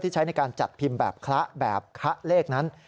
ใช้ในการจัดพิมพ์แบบคละแบบคละเลขนั้น